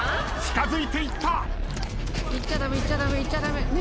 近づいていった。